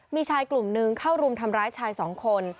มีชายกลุ่มนึงเข้ารุมทำร้ายชายสองคน